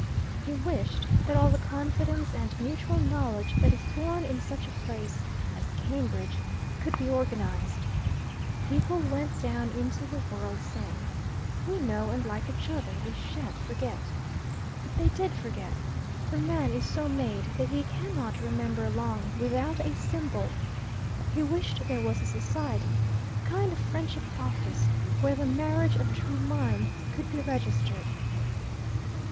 He wished that all the confidence and mutual knowledge that is born in such a place as Cambridge could be organized. People went down into the world saying, "We know and like each other; we shan't forget." But they did forget, for man is so made that he cannot remember long without a symbol; he wished there was a society, a kind of friendship office, where the marriage of true minds could be registered.